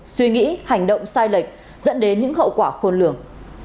suy nghĩ hành động sai lệch dẫn đến những hậu quả khôn lường